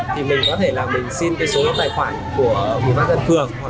thì mình có thể là mình xin cái số tài khoản của ủy ban tháp hương phường